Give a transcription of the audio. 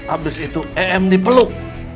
abis itu em dipeluk